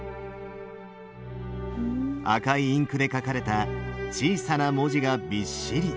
赤いインクで書かれた小さな文字がびっしり！